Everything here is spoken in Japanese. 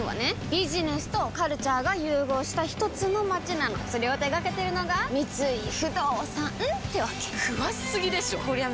ビジネスとカルチャーが融合したひとつの街なのそれを手掛けてるのが三井不動産ってわけ詳しすぎでしょこりゃ